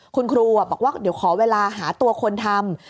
คุณครูบอกว่าเดี๋ยวขอเวลาหาตัวคนทำ